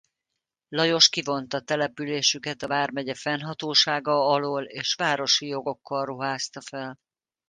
Lajos kivonta településüket a vármegye fennhatósága alól és városi jogokkal ruházta fel.